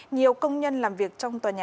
nhiều công nhân làm việc trong tòa nhà